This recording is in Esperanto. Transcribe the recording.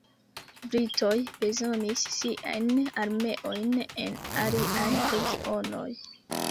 Britoj bezonis siajn armeojn en aliaj regionoj.